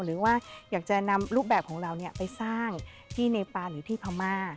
หรือว่าอยากจะนำรูปแบบของเราไปสร้างที่เนปานหรือที่พม่า